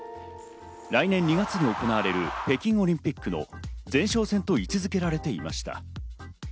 来年２月に行われる北京オリンピックの前哨戦と位置付けられていました。